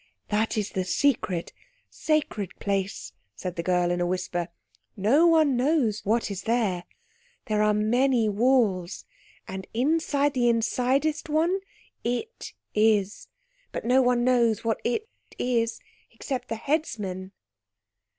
"That's the secret sacred place," said the girl in a whisper. "No one knows what is there. There are many walls, and inside the insidest one It is, but no one knows what It is except the headsmen."